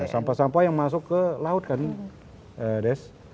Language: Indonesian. sampah sampah yang masuk ke laut kan des